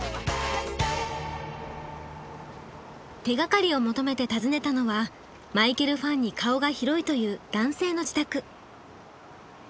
手がかりを求めて訪ねたのはマイケルファンに顔が広いという男性の自宅。